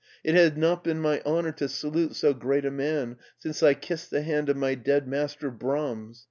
It has not been my honor to salute so great a man since I kissed the hand of my dead master, Brahms